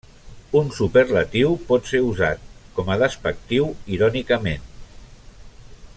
Un superlatiu pot ser usat com a despectiu irònicament.